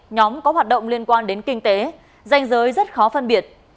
nhóm có hoạt động liên quan đến kinh tế danh giới rất khó phân biệt